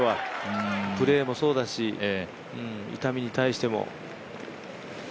プレーもそうだし痛みに対しても。